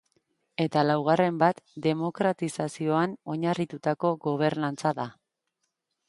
Eta laugarren bat demokratizazioan oinarritutako gobernantza da.